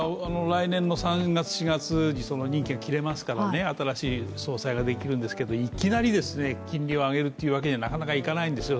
来年の３月、４月に任期が切れますから新しい総裁ができるんですけどいきなり金利を上げるということはできないんですよ。